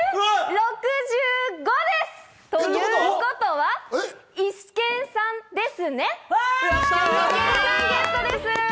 ６５です！ということは、イシケンさんです！